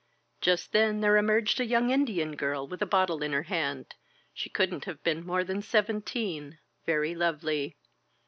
'' Just then there emerged a young Indian girl with a bottle in her hand. She couldn't have been more than seventeen, very lovely.